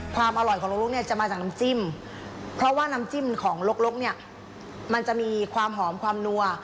ความอร่อยของลกลุกเนี่ยจะมาจากน้ำจิ้มเพราะว่าน้ำจิ้มของลกเนี่ยมันจะมีความหอมความนัว